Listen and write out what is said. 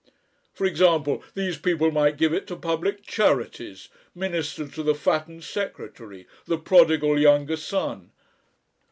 For example, these people might give it to Public Charities, minister to the fattened secretary, the prodigal younger son.